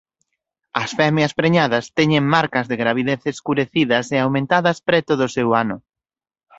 As femias preñadas teñen marcas de gravidez escurecidas e aumentadas preto do seu ano.